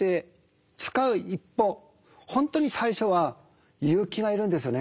本当に最初は勇気がいるんですよね